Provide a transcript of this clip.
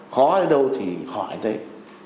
khó ở đâu thì khỏi ở đấy